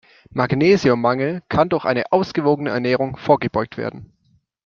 Magnesiummangel kann durch eine ausgewogene Ernährung vorgebeugt werden.